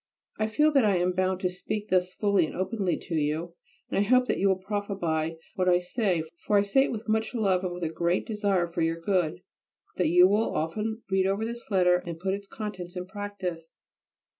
I feel that I am bound to speak thus fully and openly to you, and I hope that you will profit by what I say, for I say it with much love and with a great desire for your good; and that you will often read over this letter and put its contents in practice.